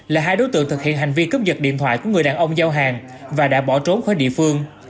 là hai đối tượng thực hiện hành vi cướp giật điện thoại của người đàn ông giao hàng và đã bỏ trốn khỏi địa phương